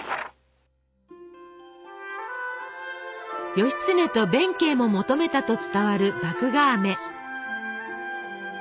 義経と弁慶も求めたと伝わる麦芽あめ。